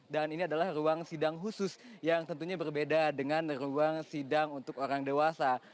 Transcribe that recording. dan ini adalah ruang sidang khusus yang tentunya berbeda dengan ruang sidang untuk orang dewasa